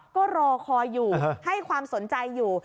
ก็รอคอยอยู่ให้ความสนใจอยู่